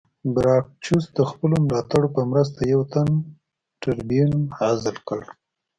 ګراکچوس د خپلو ملاتړو په مرسته یو تن ټربیون عزل کړ